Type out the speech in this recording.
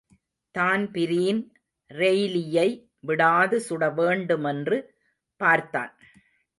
Dan Breen ரெய்லியை விடாது சுடவேண்டுமென்று பார்த்தான்.